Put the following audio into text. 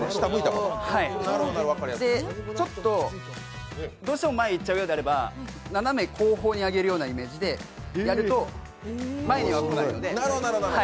ちょっとどうしても前にいっちゃうようであれば斜め後方に上げるイメージでやると前には来ないので。